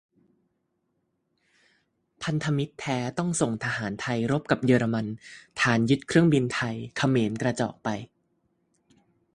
พธม แท้ ต้องส่งทหารไทยรบกับเยอรมัน ฐานยึดเครื่องบินไทย เขมรกระจอกไป